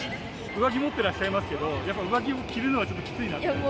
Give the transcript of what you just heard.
上着持ってらっしゃいますけど、やっぱり上着着るのはちょっときついなっていう。